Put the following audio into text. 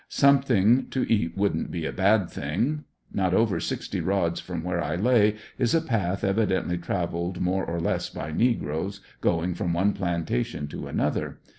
Something to eat wouldn't be a bad thing. Not over sixty rods from where I lay is a path evidently travelled more or less by negroes going from one plantation to another.